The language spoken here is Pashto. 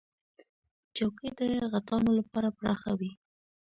چوکۍ د غټانو لپاره پراخه وي.